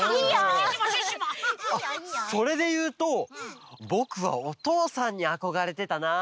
あっそれでいうとぼくはおとうさんにあこがれてたな。